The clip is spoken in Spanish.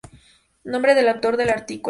Nombre del autor del artículo.